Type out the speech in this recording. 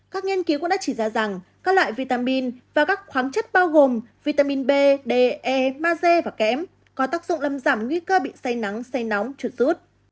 các nghiên cứu cũng đã chỉ ra rằng các loại vitamin và các khoáng chất bao gồm vitamin b de maze và kém có tác dụng làm giảm nguy cơ bị say nắng say nóng trượt rút